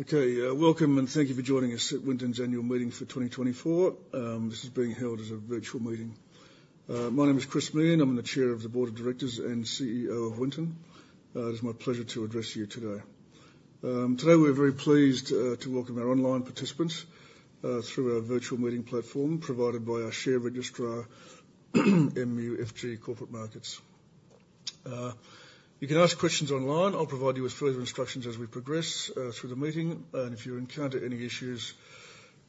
Okay. Welcome and thank you for joining us at Winton's annual meeting for 2024. This is being held as a virtual meeting. My name is Chris Meehan. I'm the Chair of the Board of Directors and CEO of Winton. It is my pleasure to address you today. Today, we're very pleased to welcome our online participants through our virtual meeting platform provided by our share registrar, MUFG Corporate Markets. You can ask questions online. I'll provide you with further instructions as we progress through the meeting. If you encounter any issues,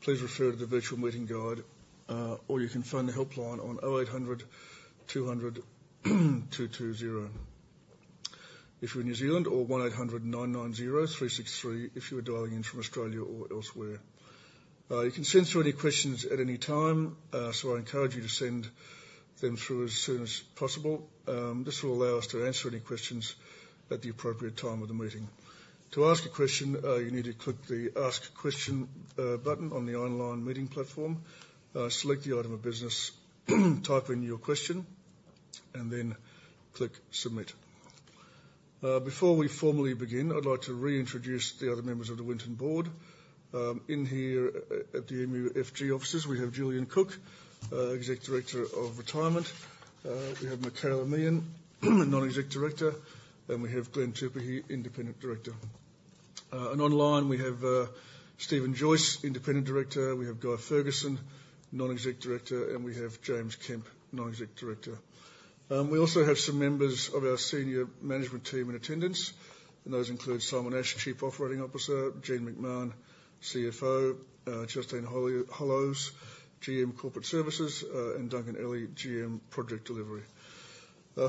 please refer to the virtual meeting guide, or you can phone the helpline on 0800 200 220 if you're in New Zealand, or 1800 990 363 if you are dialing in from Australia or elsewhere. You can send through any questions at any time. I encourage you to send them through as soon as possible. This will allow us to answer any questions at the appropriate time of the meeting. To ask a question, you need to click the Ask a Question button on the online meeting platform, select the item of business, type in your question, and then click Submit. Before we formally begin, I'd like to reintroduce the other members of the Winton board. In here at the MUFG offices, we have Julian Cook, Executive Director of Retirement. We have Michaela Meehan, Non-Executive Director, and we have Glen Tupuhi, Independent Director. Online, we have Steven Joyce, Independent Director, we have Guy Fergusson, Non-Executive Director, and we have James Kemp, Non-Executive Director. We also have some members of our senior management team in attendance, those include Simon Ash, Chief Operating Officer, Jean McMahon, CFO, Justine Hollows, GM Corporate Services, and Duncan Elley, GM Project Delivery.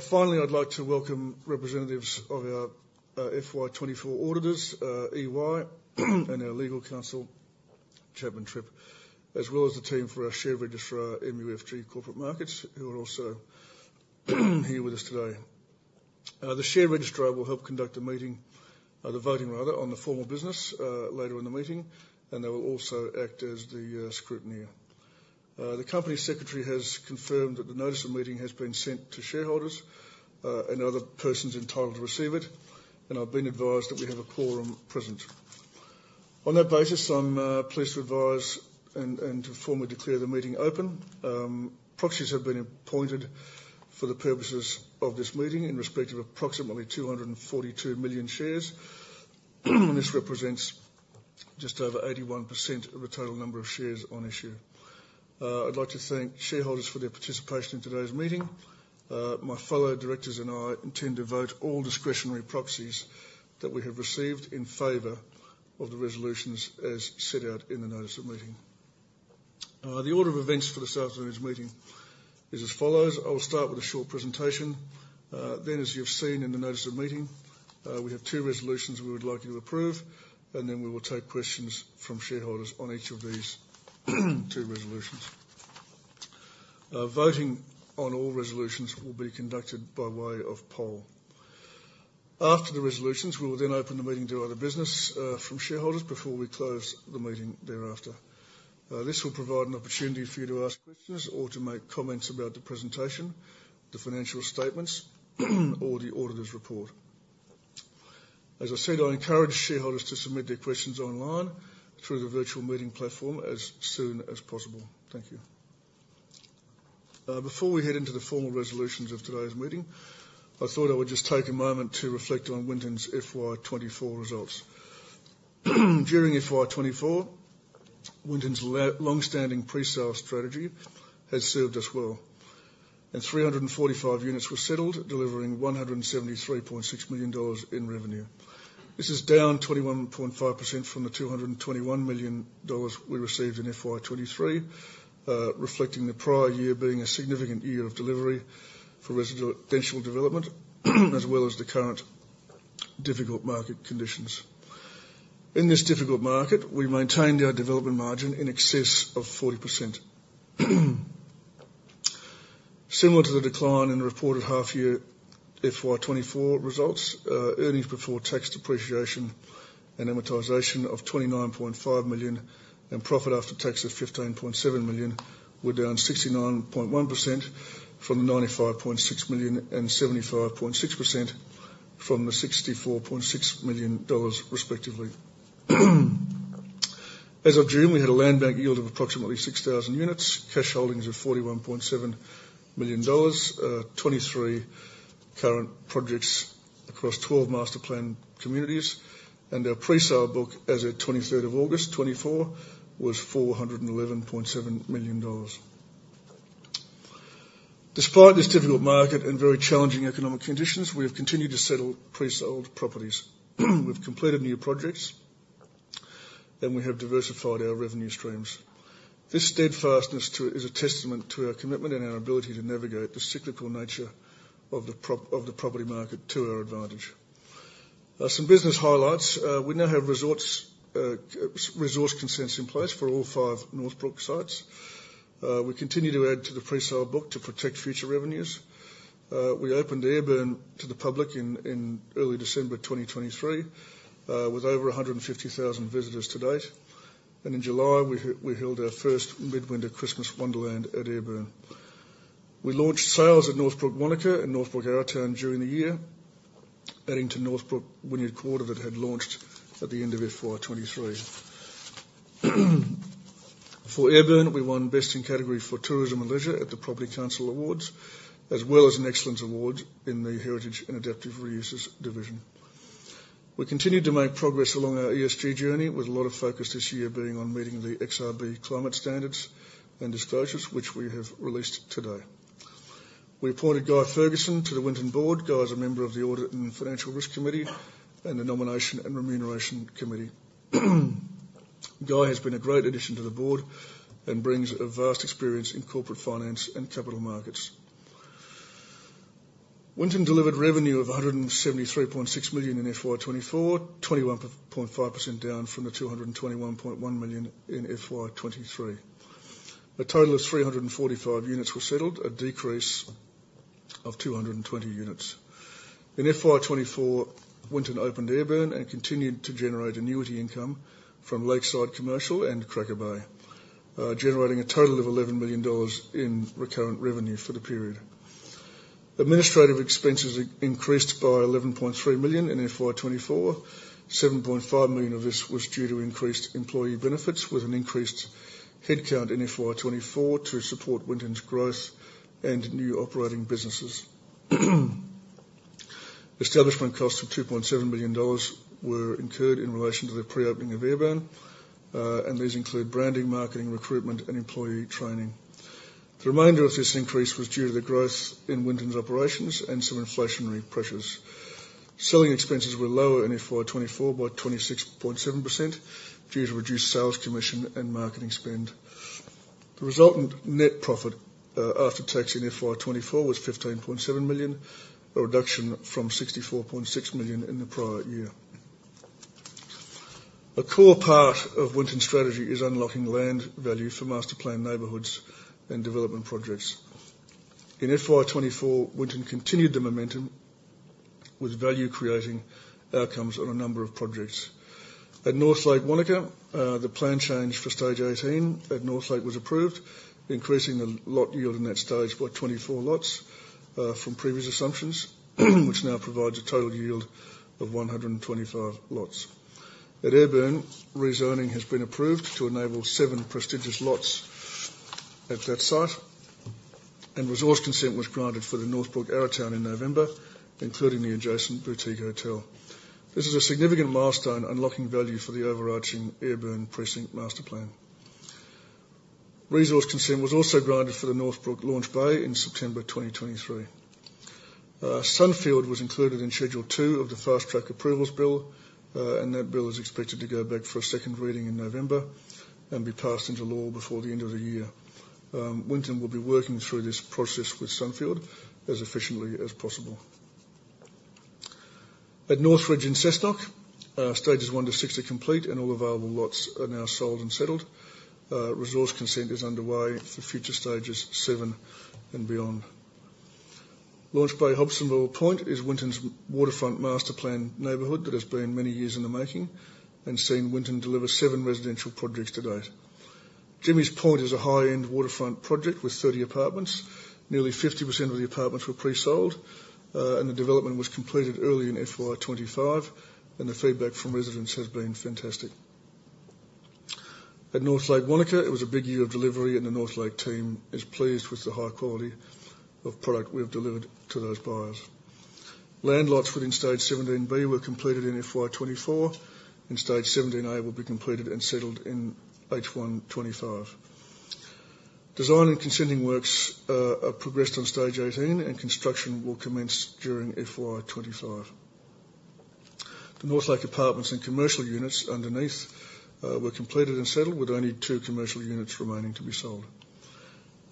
Finally, I'd like to welcome representatives of our FY 2024 auditors, EY, and our legal counsel, Chapman Tripp, as well as the team for our share registrar, MUFG Corporate Markets, who are also here with us today. The share registrar will help conduct the voting on the formal business later in the meeting, and they will also act as the scrutineer. The company secretary has confirmed that the notice of the meeting has been sent to shareholders and other persons entitled to receive it, and I've been advised that we have a quorum present. On that basis, I'm pleased to advise and to formally declare the meeting open. Proxies have been appointed for the purposes of this meeting in respect of approximately 242 million shares, and this represents just over 81% of the total number of shares on issue. I'd like to thank shareholders for their participation in today's meeting. My fellow directors and I intend to vote all discretionary proxies that we have received in favor of the resolutions as set out in the notice of meeting. The order of events for this afternoon's meeting is as follows. I will start with a short presentation. As you've seen in the notice of meeting, we have two resolutions we would like you to approve, and then we will take questions from shareholders on each of these two resolutions. Voting on all resolutions will be conducted by way of poll. After the resolutions, we will then open the meeting to other business from shareholders before we close the meeting thereafter. This will provide an opportunity for you to ask questions or to make comments about the presentation, the financial statements or the auditor's report. As I said, I encourage shareholders to submit their questions online through the virtual meeting platform as soon as possible. Thank you. Before we head into the formal resolutions of today's meeting, I thought I would just take a moment to reflect on Winton's FY 2024 results. During FY 2024, Winton's long-standing presale strategy has served us well, and 345 units were settled, delivering 173.6 million dollars in revenue. This is down 21.5% from the 221 million dollars we received in FY 2023, reflecting the prior year being a significant year of delivery for residential development, as well as the current difficult market conditions. In this difficult market, we maintained our development margin in excess of 40%. Similar to the decline in the reported half year FY 2024 results, earnings before tax depreciation and amortization of 29.5 million and profit after tax of 15.7 million were down 69.1% from the 95.6 million and 75.6% from the NZD 64.6 million respectively. As of June, we had a land bank yield of approximately 6,000 units, cash holdings of 41.7 million dollars, 23 current projects across 12 master plan communities, and our presale book as at 23rd of August 2024 was 411.7 million dollars. Despite this difficult market and very challenging economic conditions, we have continued to settle presold properties. We've completed new projects, and we have diversified our revenue streams. This steadfastness is a testament to our commitment and our ability to navigate the cyclical nature of the property market to our advantage. Some business highlights. We now have resource consents in place for all five Northbrook sites. We continue to add to the presale book to protect future revenues. We opened Ayrburn to the public in early December 2023, with over 150,000 visitors to date. In July, we held our first mid-winter Christmas wonderland at Ayrburn. We launched sales at Northbrook Wānaka and Northbrook Arrowtown during the year, adding to Northbrook Wynyard Quarter, that had launched at the end of FY 2023. For Ayrburn, we won Best in Category for Tourism and Leisure at the Property Council Awards, as well as an Excellence Award in the Heritage and Adaptive Reuses division. We continued to make progress along our ESG journey, with a lot of focus this year being on meeting the XRB climate standards and disclosures, which we have released today. We appointed Guy Fergusson to the Winton board. Guy is a member of the Audit and Financial Risk Committee and the Nomination and Remuneration Committee. Guy Fergusson has been a great addition to the board and brings a vast experience in corporate finance and capital markets. Winton delivered revenue of 173.6 million in FY 2024, 21.5% down from the 221.1 million in FY 2023. A total of 345 units were settled, a decrease of 220 units. In FY 2024, Winton opened Ayrburn and continued to generate annuity income from Lakeside Commercial and Cracker Bay, generating a total of 11 million dollars in recurrent revenue for the period. Administrative expenses increased by 11.3 million in FY 2024. 7.5 million of this was due to increased employee benefits, with an increased headcount in FY 2024 to support Winton's growth and new operating businesses. Establishment costs of 2.7 million dollars were incurred in relation to the pre-opening of Ayrburn, and these include branding, marketing, recruitment, and employee training. The remainder of this increase was due to the growth in Winton's operations and some inflationary pressures. Selling expenses were lower in FY 2024 by 26.7% due to reduced sales commission and marketing spend. The resultant net profit after tax in FY 2024 was 15.7 million, a reduction from 64.6 million in the prior year. A core part of Winton strategy is unlocking land value for master plan neighborhoods and development projects. In FY 2024, Winton continued the momentum with value-creating outcomes on a number of projects. At Northlake, Wanaka, the plan change for Stage 18 at Northlake was approved, increasing the lot yield in that stage by 24 lots from previous assumptions, which now provides a total yield of 125 lots. At Ayrburn, rezoning has been approved to enable seven prestigious lots at that site, and resource consent was granted for the Northbrook Arrowtown in November, including the adjacent boutique hotel. This is a significant milestone, unlocking value for the overarching Ayrburn precinct master plan. Resource consent was also granted for the Northbrook Launch Bay in September 2023. Sunfield was included in Schedule Two of the Fast-track Approvals Bill, that bill is expected to go back for a second reading in November and be passed into law before the end of the year. Winton will be working through this process with Sunfield as efficiently as possible. At North Ridge in Cessnock, Stages 1 to 6 are complete and all available lots are now sold and settled. Resource consent is underway for future Stages VII and beyond. Launch Bay Hobsonville Point is Winton's waterfront master-planned neighborhood that has been many years in the making and seen Winton deliver seven residential projects to date. Jimmy's Point is a high-end waterfront project with 30 apartments. Nearly 50% of the apartments were pre-sold. The development was completed early in FY 2025, and the feedback from residents has been fantastic. At Northlake, Wānaka, it was a big year of delivery. The Northlake team is pleased with the high quality of product we have delivered to those buyers. Land lots within Stage 17B were completed in FY 2024. Stage 17A will be completed and settled in H1 2025. Design and consenting works are progressed on Stage 18. Construction will commence during FY 2025. The Northlake apartments and commercial units underneath were completed and settled, with only two commercial units remaining to be sold.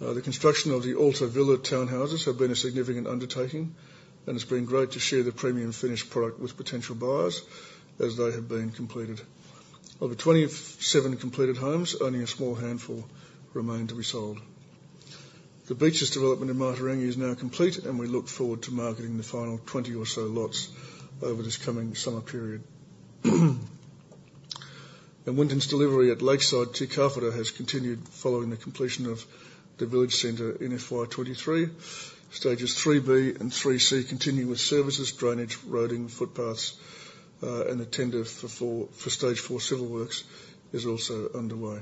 The construction of the Alta Villas townhouses have been a significant undertaking. It's been great to share the premium finished product with potential buyers as they have been completed. Of the 27 completed homes, only a small handful remain to be sold. The Beaches development in Matarangi is now complete, and we look forward to marketing the final 20 or so lots over this coming summer period. Winton's delivery at Lakeside, Te Kāwhata has continued following the completion of the village center in FY 2023. Stages 3B and 3C continue with services, drainage, roading, footpaths, and a tender for Stage 4 civil works is also underway.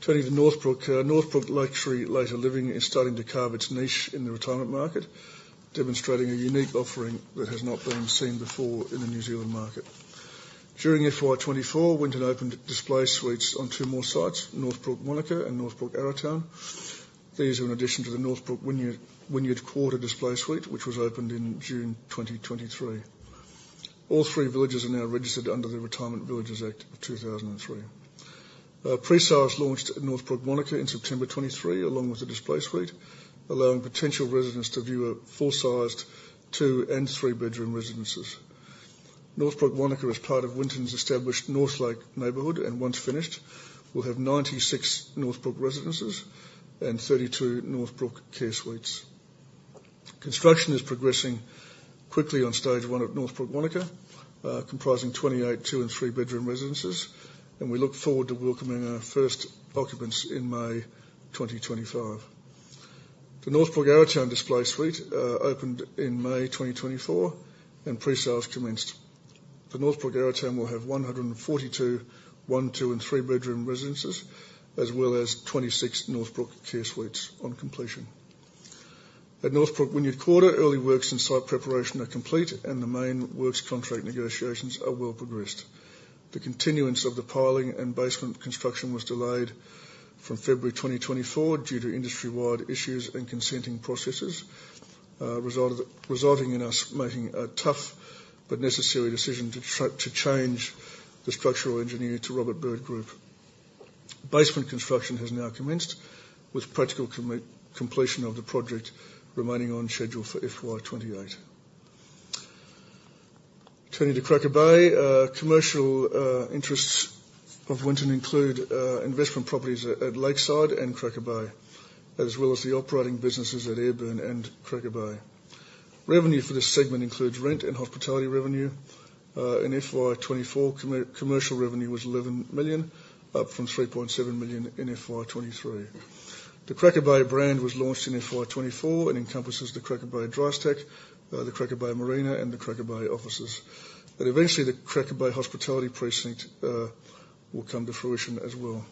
Turning to Northbrook. Northbrook Luxury Later Living is starting to carve its niche in the retirement market, demonstrating a unique offering that has not been seen before in the New Zealand market. During FY 2024, Winton opened display suites on two more sites, Northbrook Wānaka and Northbrook Arrowtown. These are in addition to the Northbrook Wynyard Quarter display suite, which was opened in June 2023. All three villages are now registered under the Retirement Villages Act 2003. Pre-sales launched at Northbrook Wānaka in September 2023, along with the display suite, allowing potential residents to view full-sized two and three-bedroom residences. Northbrook Wānaka is part of Winton's established Northlake neighborhood, and once finished, will have 96 Northbrook residences and 32 Northbrook care suites. Construction is progressing quickly on stage 1 at Northbrook Wānaka, comprising 28 two and three-bedroom residences. We look forward to welcoming our first occupants in May 2025. The Northbrook Arrowtown display suite opened in May 2024. Pre-sales commenced. The Northbrook Arrowtown will have 142 one, two, and three-bedroom residences, as well as 26 Northbrook care suites on completion. At Northbrook Wynyard Quarter, early works and site preparation are complete. The main works contract negotiations are well progressed. The continuance of the piling and basement construction was delayed from February 2024 due to industry-wide issues and consenting processes, resulting in us making a tough but necessary decision to change the structural engineer to Robert Bird Group. Basement construction has now commenced, with practical completion of the project remaining on schedule for FY 2028. Turning to Cracker Bay. Commercial interests of Winton include investment properties at Lakeside and Cracker Bay, as well as the operating businesses at Ayrburn and Cracker Bay. Revenue for this segment includes rent and hospitality revenue. In FY 2024, commercial revenue was 11 million, up from 3.7 million in FY 2023. The Cracker Bay brand was launched in FY 2024 and encompasses the Cracker Bay Drystack, the Cracker Bay Marina, and the Cracker Bay offices. Eventually, the Cracker Bay hospitality precinct will come to fruition as well.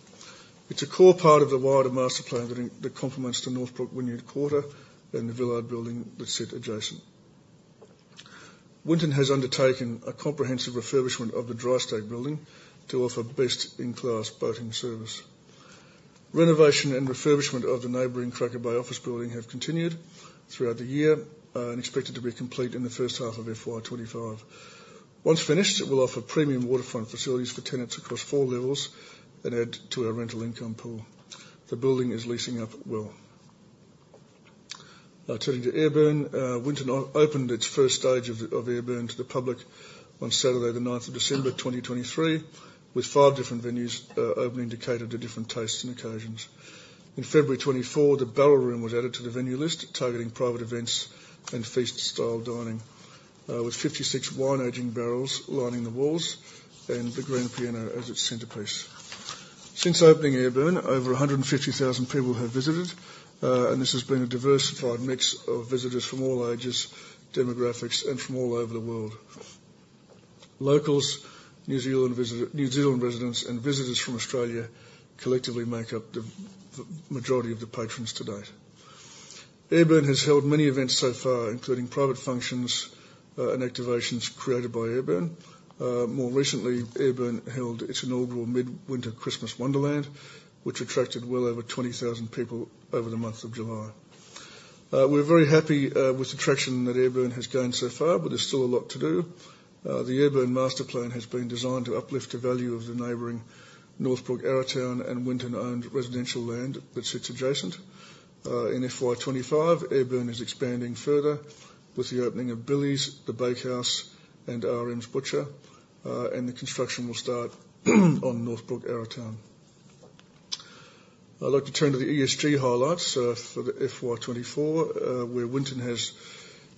It's a core part of the wider master plan that complements the Northbrook Wynyard Quarter and The Viaduct that sit adjacent. Winton has undertaken a comprehensive refurbishment of the Cracker Bay Drystack to offer best-in-class boating service. Renovation and refurbishment of the neighboring Cracker Bay offices have continued throughout the year, and expected to be complete in the first half of FY 2025. Once finished, it will offer premium waterfront facilities for tenants across four levels and add to our rental income pool. The building is leasing up well. Turning to Ayrburn. Winton opened its first stage of Ayrburn to the public on Saturday the 9th of December 2023, with five different venues opening to cater to different tastes and occasions. In February 2024, The Barrel Room was added to the venue list, targeting private events and feast-style dining. With 56 wine aging barrels lining the walls and the grand piano as its centerpiece. Since opening Ayrburn, over 150,000 people have visited. This has been a diversified mix of visitors from all ages, demographics, and from all over the world. Locals, New Zealand residents, and visitors from Australia collectively make up the majority of the patrons to date. Ayrburn has held many events so far, including private functions and activations created by Ayrburn. More recently, Ayrburn held its inaugural mid-winter Christmas wonderland, which attracted well over 20,000 people over the month of July. We're very happy with the traction that Ayrburn has gained so far. There's still a lot to do. The Ayrburn master plan has been designed to uplift the value of the neighboring Northbrook Arrowtown and Winton-owned residential land that sits adjacent. In FY 2025, Ayrburn is expanding further with the opening of Billy's, The Bakehouse, and RM's Butcher, and the construction will start on Northbrook Arrowtown. I'd like to turn to the ESG highlights for the FY 2024, where Winton has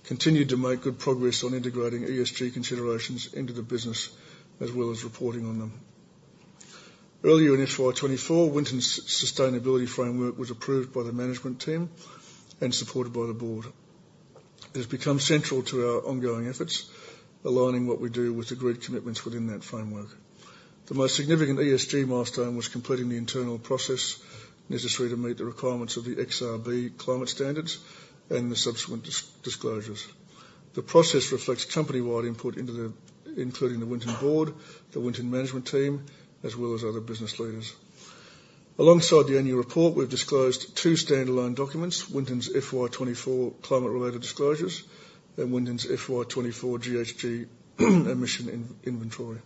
continued to make good progress on integrating ESG considerations into the business as well as reporting on them. Earlier in FY 2024, Winton's sustainability framework was approved by the management team and supported by the board. It has become central to our ongoing efforts, aligning what we do with agreed commitments within that framework. The most significant ESG milestone was completing the internal process necessary to meet the requirements of the XRB climate standards and the subsequent disclosures. The process reflects company-wide input including the Winton board, the Winton management team, as well as other business leaders. Alongside the annual report, we've disclosed two standalone documents, Winton's FY 2024 climate-related disclosures and Winton's FY 2024 GHG emission inventory.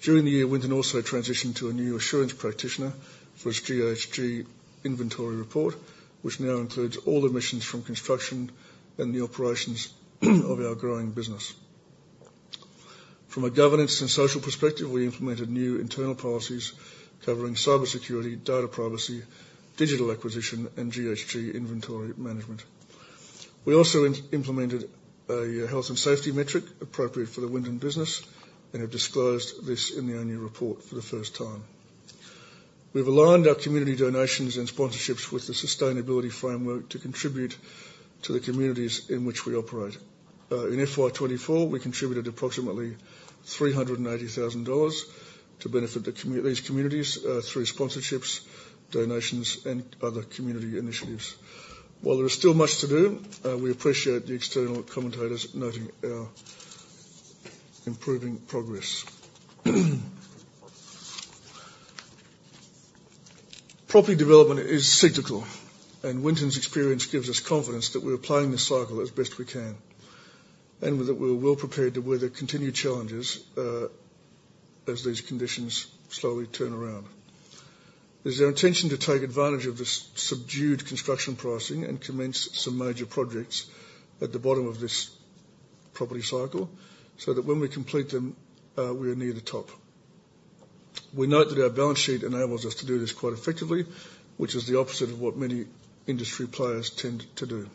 During the year, Winton also transitioned to a new assurance practitioner for its GHG inventory report, which now includes all emissions from construction and the operations of our growing business. From a governance and social perspective, we implemented new internal policies covering cybersecurity, data privacy, digital acquisition, and GHG inventory management. We also implemented a health and safety metric appropriate for the Winton business and have disclosed this in the annual report for the first time. We've aligned our community donations and sponsorships with the sustainability framework to contribute to the communities in which we operate. In FY 2024, we contributed approximately 380,000 dollars to benefit these communities through sponsorships, donations, and other community initiatives. While there is still much to do, we appreciate the external commentators noting our improving progress. Property development is cyclical, Winton's experience gives us confidence that we're playing this cycle as best we can, that we're well prepared to weather continued challenges, as these conditions slowly turn around. It's our intention to take advantage of this subdued construction pricing and commence some major projects at the bottom of this property cycle so that when we complete them, we are near the top. We note that our balance sheet enables us to do this quite effectively, which is the opposite of what many industry players tend to do.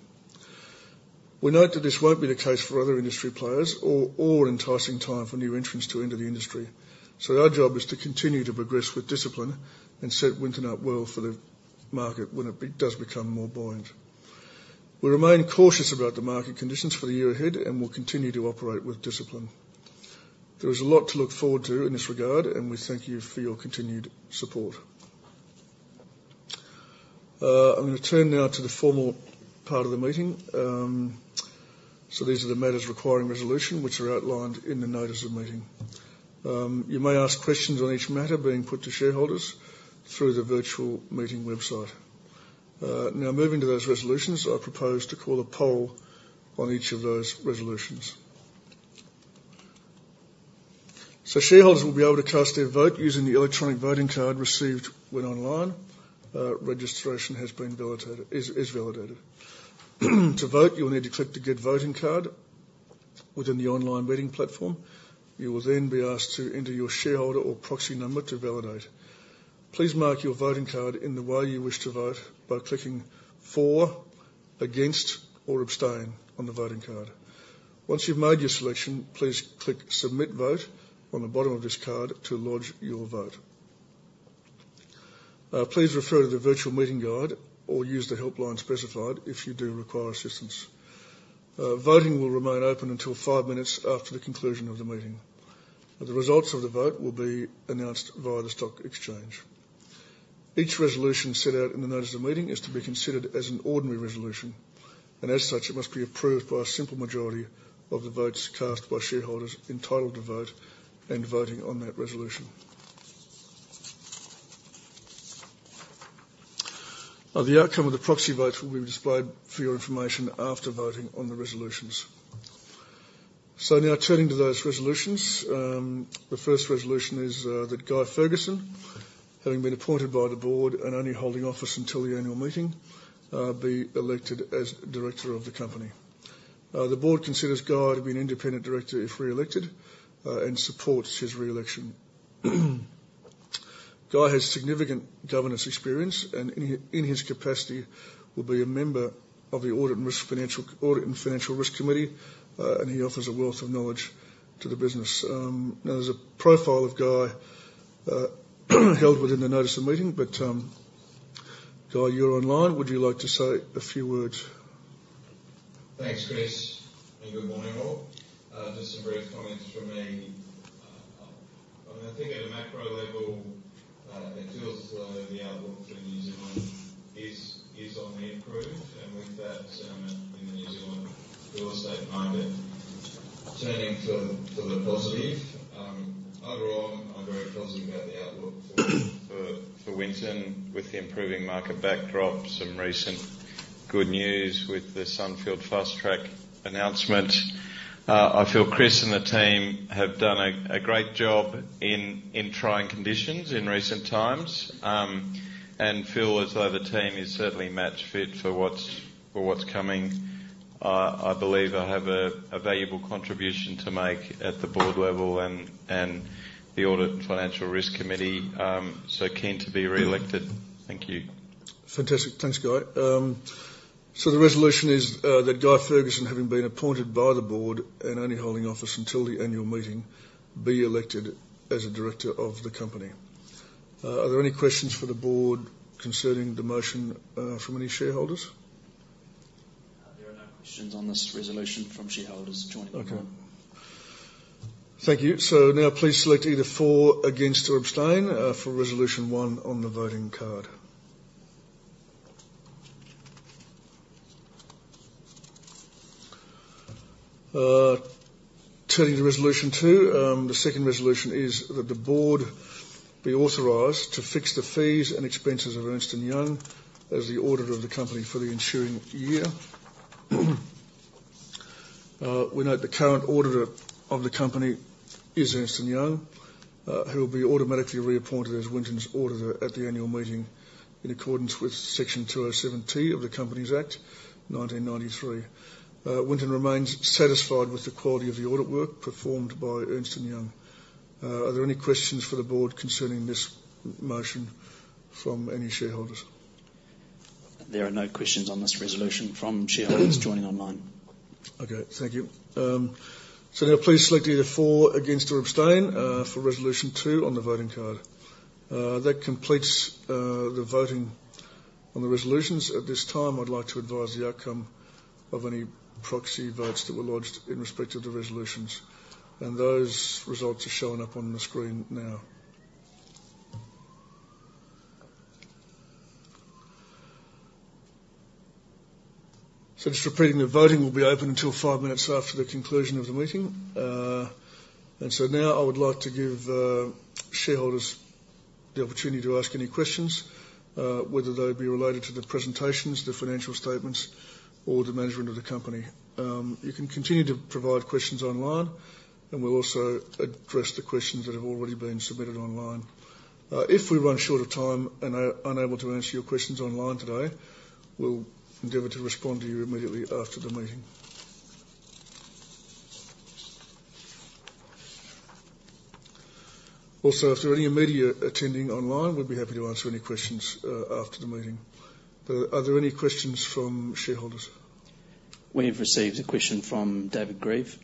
We note that this won't be the case for other industry players or an enticing time for new entrants to enter the industry. Our job is to continue to progress with discipline and set Winton up well for the market when it does become more buoyant. We remain cautious about the market conditions for the year ahead and will continue to operate with discipline. There is a lot to look forward to in this regard. We thank you for your continued support. I'm going to turn now to the formal part of the meeting. These are the matters requiring resolution, which are outlined in the notice of meeting. You may ask questions on each matter being put to shareholders through the virtual meeting website. Moving to those resolutions, I propose to call a poll on each of those resolutions. Shareholders will be able to cast their vote using the electronic voting card received when online registration is validated. To vote, you will need to click the Get Voting Card within the online meeting platform. You will then be asked to enter your shareholder or proxy number to validate. Please mark your voting card in the way you wish to vote by clicking For, Against, or Abstain on the voting card. Once you've made your selection, please click Submit Vote on the bottom of this card to lodge your vote. Please refer to the virtual meeting guide or use the helpline specified if you do require assistance. Voting will remain open until five minutes after the conclusion of the meeting. The results of the vote will be announced via the stock exchange. Each resolution set out in the notice of meeting is to be considered as an ordinary resolution, and as such, it must be approved by a simple majority of the votes cast by shareholders entitled to vote and voting on that resolution. The outcome of the proxy votes will be displayed for your information after voting on the resolutions. Now turning to those resolutions. The first resolution is that Guy Fergusson, having been appointed by the board and only holding office until the annual meeting, be elected as director of the company. The board considers Guy to be an independent director if reelected and supports his reelection. Guy has significant governance experience. In his capacity, he will be a member of the Audit and Financial Risk Committee, and he offers a wealth of knowledge to the business. There's a profile of Guy held within the notice of meeting. Guy, you're online. Would you like to say a few words? Thanks, Chris. Good morning, all. Just some brief comments from me. I think at a macro level, it feels as though the outlook for New Zealand is on the improve, with that sentiment in the New Zealand real estate market turning to the positive. Overall, I'm very positive about the outlook for Winton with the improving market backdrop, some recent good news with the Sunfield fast track announcement. I feel Chris and the team have done a great job in trying conditions in recent times, feel as though the team is certainly match fit for what's coming. I believe I have a valuable contribution to make at the board level and the Audit and Financial Risk Committee. Keen to be reelected. Thank you. Fantastic. Thanks, Guy. The resolution is that Guy Fergusson, having been appointed by the board and only holding office until the annual meeting, be elected as a director of the company. Are there any questions for the board concerning the motion from any shareholders? There are no questions on this resolution from shareholders joining online. Okay. Thank you. Now please select either For, Against, or Abstain for resolution one on the voting card. Turning to resolution two. The second resolution is that the board be authorized to fix the fees and expenses of Ernst & Young as the auditor of the company for the ensuing year. We note the current auditor of the company is Ernst & Young, who will be automatically reappointed as Winton's auditor at the annual meeting in accordance with Section 207T of the Companies Act 1993. Winton remains satisfied with the quality of the audit work performed by Ernst & Young. Are there any questions for the board concerning this motion from any shareholders? There are no questions on this resolution from shareholders joining online. Okay, thank you. Now please select either For, Against, or Abstain for resolution 2 on the voting card. That completes the voting on the resolutions. At this time, I'd like to advise the outcome of any proxy votes that were lodged in respect of the resolutions. Those results are showing up on the screen now. Just repeating, the voting will be open until five minutes after the conclusion of the meeting. Now I would like to give shareholders the opportunity to ask any questions, whether they be related to the presentations, the financial statements, or the management of the company. You can continue to provide questions online, and we'll also address the questions that have already been submitted online. If we run short of time and are unable to answer your questions online today, we'll endeavor to respond to you immediately after the meeting. If there are any media attending online, we'd be happy to answer any questions after the meeting. Are there any questions from shareholders? We've received a question from David Grieve.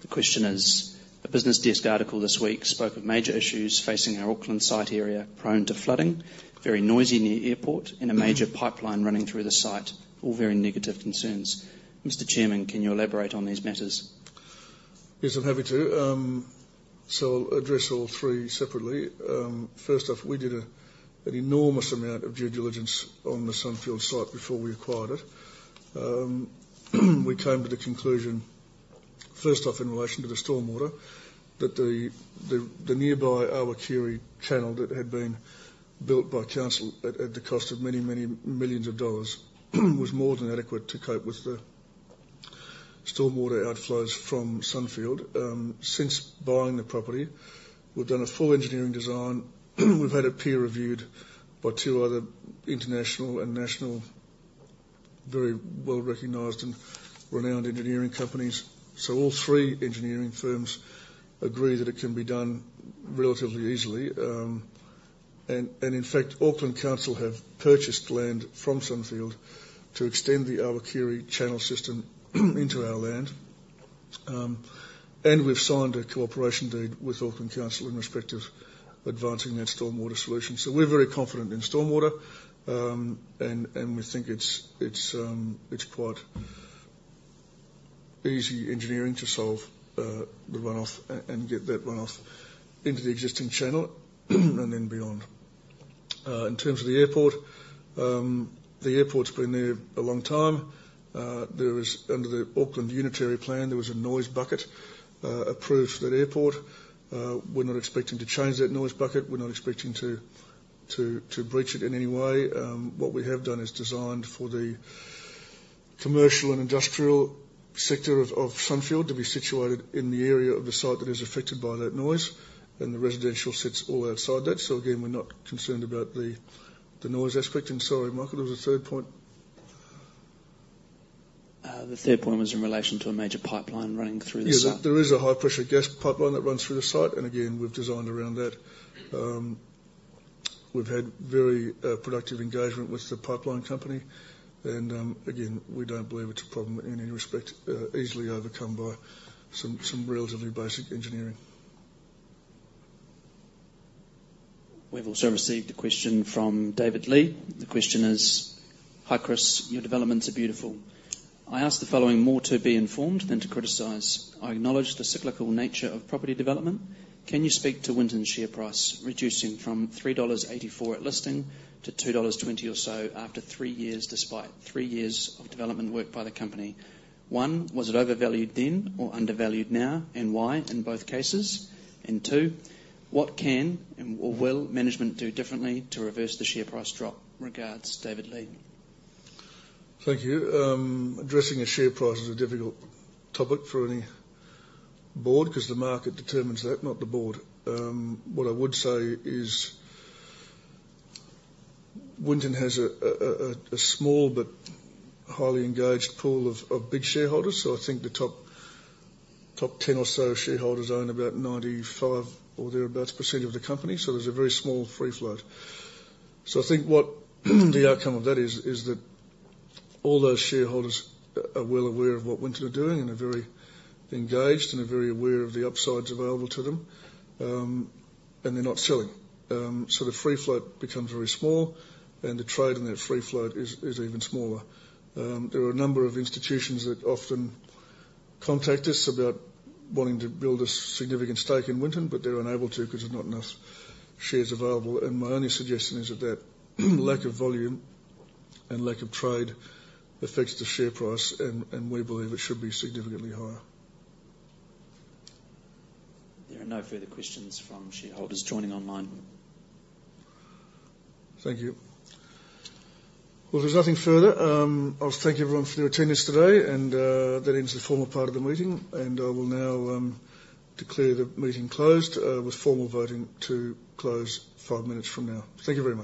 The question is: "A 'BusinessDesk' article this week spoke of major issues facing our Auckland site area prone to flooding, very noisy near airport, and a major pipeline running through the site. All very negative concerns. Mr. Chairman, can you elaborate on these matters? Yes, I'm happy to. I'll address all three separately. First off, we did an enormous amount of due diligence on the Sunfield site before we acquired it. We came to the conclusion, first off, in relation to the stormwater, that the nearby Awakeri Wetlands that had been built by council at the cost of many, many millions of NZD, was more than adequate to cope with the stormwater outflows from Sunfield. Since buying the property, we've done a full engineering design. We've had it peer reviewed by two other international and national, very well-recognized and renowned engineering companies. All three engineering firms agree that it can be done relatively easily. In fact, Auckland Council have purchased land from Sunfield to extend the Awakeri Wetlands system into our land. We've signed a cooperation deed with Auckland Council in respect of advancing that stormwater solution. We're very confident in stormwater. We think it's quite easy engineering to solve the runoff and get that runoff into the existing channel and then beyond. In terms of the airport, the airport's been there a long time. Under the Auckland Unitary Plan, there was a noise bucket approved for that airport. We're not expecting to change that noise bucket. We're not expecting to breach it in any way. What we have done is designed for the commercial and industrial sector of Sunfield to be situated in the area of the site that is affected by that noise, and the residential sits all outside that. Again, we're not concerned about the noise aspect. Sorry, Michaela, there was a third point. The third point was in relation to a major pipeline running through the site. Yeah. There is a high-pressure gas pipeline that runs through the site. Again, we've designed around that. We've had very productive engagement with the pipeline company. Again, we don't believe it's a problem in any respect, easily overcome by some relatively basic engineering. We've also received a question from David Lee. The question is: "Hi, Chris. Your developments are beautiful. I ask the following more to be informed than to criticize. I acknowledge the cyclical nature of property development. Can you speak to Winton's share price reducing from 3.84 dollars at listing to 2.20 dollars or so after three years, despite three years of development work by the company? One, was it overvalued then or undervalued now, and why in both cases? Two, what can or will management do differently to reverse the share price drop? Regards, David Lee. Thank you. Addressing a share price is a difficult topic for any board, because the market determines that, not the board. What I would say is Winton has a small but highly engaged pool of big shareholders. I think the top 10 or so shareholders own about 95% of the company. There's a very small free float. I think what the outcome of that is that all those shareholders are well aware of what Winton are doing and are very engaged and are very aware of the upsides available to them. They're not selling. The free float becomes very small, and the trade in that free float is even smaller. There are a number of institutions that often contact us about wanting to build a significant stake in Winton, but they're unable to because there's not enough shares available. My only suggestion is that that lack of volume and lack of trade affects the share price, and we believe it should be significantly higher. There are no further questions from shareholders joining online. Thank you. Well, if there's nothing further, I'll thank everyone for their attendance today. That ends the formal part of the meeting. I will now declare the meeting closed, with formal voting to close five minutes from now. Thank you very much.